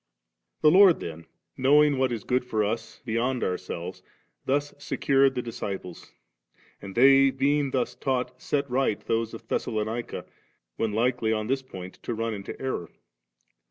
50. The Lord then, knowing what is good for us beyond ourselves, thus secured the dis ciples ; and they, being thus taught, set right those of Thessalonica^ when likely on this point to run into error.